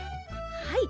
はい。